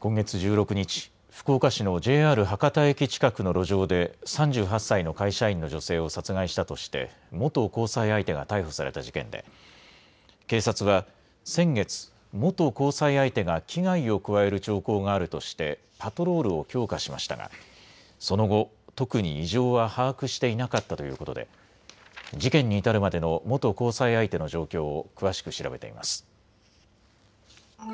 今月１６日、福岡市のＪＲ博多駅近くの路上で３８歳の会社員の女性を殺害したとして元交際相手が逮捕された事件で警察は先月、元交際相手が危害を加える兆候があるとしてパトロールを強化しましたがその後、特に異常は把握していなかったということで事件に至るまでの元交際相手の状況を詳しく調べています。